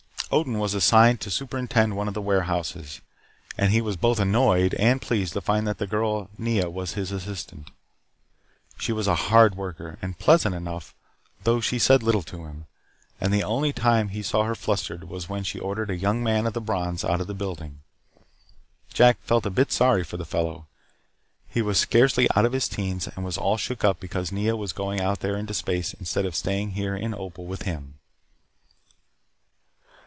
Odin was assigned to superintend one of the warehouses, and he was both annoyed and pleased to find that the girl Nea was his assistant. She was a hard worker and pleasant enough, though she said little to him. And the only time he saw her flustered was when she ordered a young man of the Brons out of the building. Jack felt a bit sorry for the fellow. He was scarcely out of his teens and was all shook up because Nea was going out there into space instead of staying here in Opal with him.